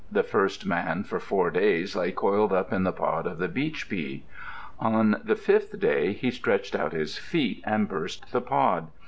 The first man for four days lay coiled up in the pod of the beach pea. On the fifth day he stretched out his feet and burst the pod.